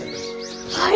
はい！